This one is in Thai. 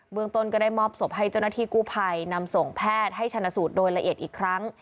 เมืองต้นก็ได้มอบศพให้เจ้าหน้าที่กู้ภัยนำส่งแพทย์ให้ชนะสูตรโดยละเอียดอีกครั้ง